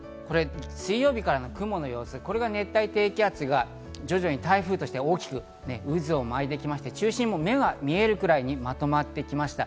これ水曜日からの雲の様子、これが熱帯低気圧が徐々に台風として大きく渦を巻いてきまして、中心も目が見えるくらいにまとまってきました。